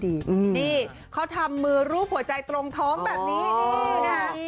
นี่เขาทำมือรูปหัวใจตรงท้องแบบนี้นี่นะคะ